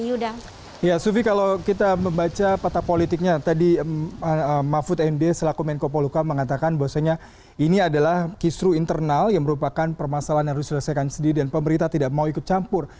ya sufi kalau kita membaca patah politiknya tadi mahfud md selaku menko poluka mengatakan bahwasanya ini adalah kisru internal yang merupakan permasalahan yang harus diselesaikan sendiri dan pemerintah tidak mau ikut campur